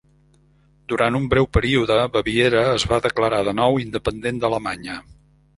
Durant un breu període, Baviera es va declarar de nou independent d'Alemanya.